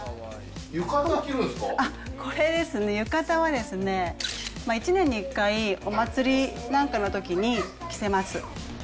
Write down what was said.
これですね、浴衣はですね、１年に１回、お祭りなんかのときに着せます。